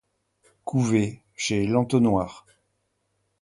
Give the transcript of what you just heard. Couvé, chez L'Entonnoir.